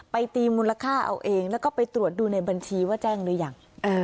ตีมูลค่าเอาเองแล้วก็ไปตรวจดูในบัญชีว่าแจ้งหรือยัง